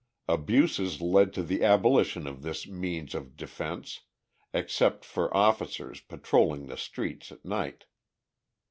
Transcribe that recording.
Abuses led to the abolition of this means of defense except for officers patrolling the streets at night.